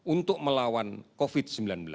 untuk melawan covid sembilan belas